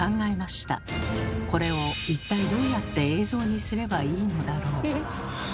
これを一体どうやって映像にすればいいのだろう？